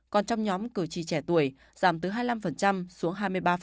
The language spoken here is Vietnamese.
còn trong nhóm cử tri trẻ tuổi giảm từ hai mươi năm xuống hai mươi ba